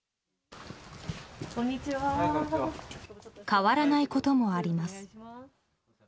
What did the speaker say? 変わらないこともあります。